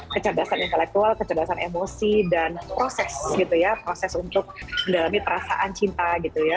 kecerdasan intelektual kecerdasan emosi dan proses gitu ya proses untuk mendalami perasaan cinta gitu ya